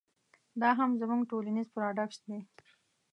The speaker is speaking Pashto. دا هم زموږ ټولنیز پراډوکس دی.